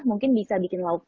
mungkin bisa bikin lauk